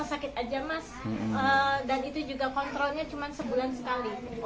sakit aja mas dan itu juga kontrolnya cuma sebulan sekali